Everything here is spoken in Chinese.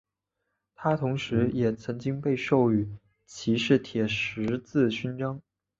他同时也曾经被授予骑士铁十字勋章。